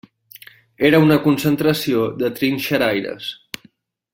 Era una concentració de trinxeraires.